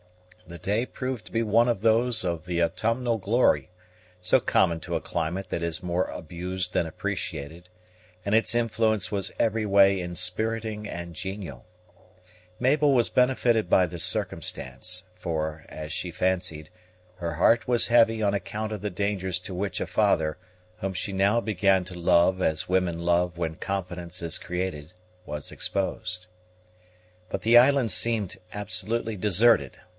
The day proved to be one of those of the autumnal glory, so common to a climate that is more abused than appreciated, and its influence was every way inspiriting and genial. Mabel was benefitted by this circumstance; for, as she fancied, her heart was heavy on account of the dangers to which a father, whom she now began to love as women love when confidence is created, was exposed. But the island seemed absolutely deserted.